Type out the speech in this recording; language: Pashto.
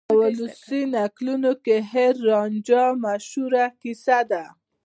په ولسي نکلونو کې هیر رانجھا مشهوره کیسه ده.